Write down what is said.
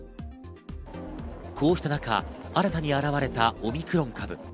こうしたなか新たに現れたオミクロン株。